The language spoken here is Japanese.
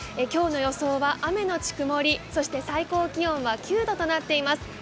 今日の予想は雨のち曇り、そして最高気温は９度となっています。